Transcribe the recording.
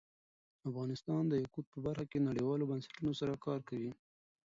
افغانستان د یاقوت په برخه کې نړیوالو بنسټونو سره کار کوي.